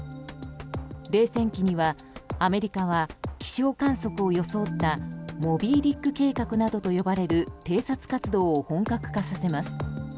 冷戦期にはアメリカは気象観測を装ったモビー・ディック計画などと呼ばれる偵察活動を本格化させます。